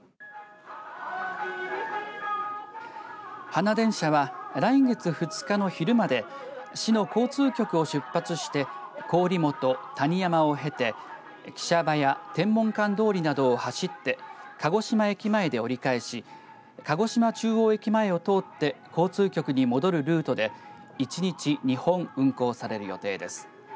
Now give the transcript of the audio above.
花電車は、来月２日の昼まで市の交通局を出発して郡元、谷山を経て騎射場や、天文館通りなどを走って鹿児島駅前で折り返し鹿児島中央駅前を通って交通局に戻るルートで１日２本運行される予定です。